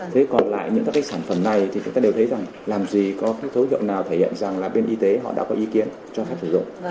thế còn lại những các cái sản phẩm này thì chúng ta đều thấy rằng làm gì có cái thối tượng nào thể hiện rằng là bên y tế họ đã có ý kiến cho phép sử dụng